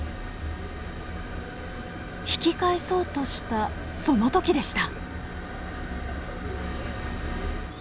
引き返そうとしたその時でした。